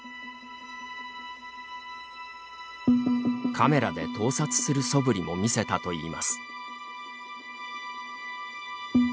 カメラで盗撮するそぶりも見せたといいます。